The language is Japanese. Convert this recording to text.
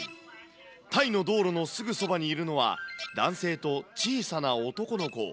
タイの道路のすぐそばにいるのは、男性と小さな男の子。